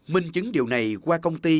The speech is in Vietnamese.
minh chứng điều này qua công ty